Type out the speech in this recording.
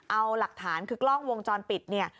เอาหลักฐานคือกล้องวงจรปิดเนี่ย